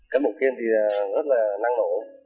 cắt bộ kiên thì rất là năng lỗ